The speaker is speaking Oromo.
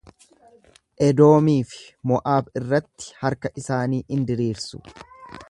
Edoomii fi Mo'aab irratti harka isaanii in diriirsu.